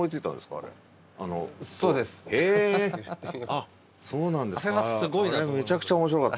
あっそうなんですか。